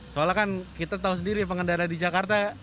soalnya kan kita tahu sendiri pengendara di jakarta